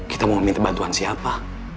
kita mau minta bantuan siapa